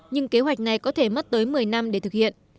nhưng kế hoạch này có thể mất tới một mươi năm để thực hiện